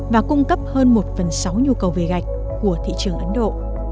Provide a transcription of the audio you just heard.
và cung cấp hơn một phần sáu nhu cầu về gạch của thị trường ấn độ